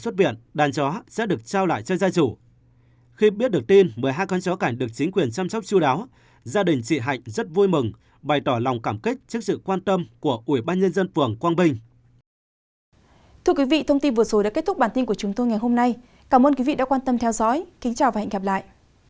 thưa quý vị thông tin vừa rồi đã kết thúc bản tin của chúng tôi ngày hôm nay cảm ơn quý vị đã quan tâm theo dõi kính chào và hẹn gặp lại